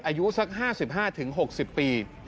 อายุสัก๕๕๖๐ปี